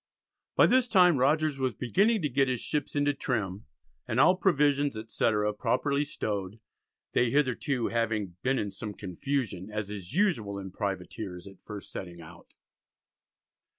By this time Rogers was beginning to get his ships into trim and all provisions, etc., properly stowed, they hitherto "having been in some confusion, as is usual in Privateers at first setting out."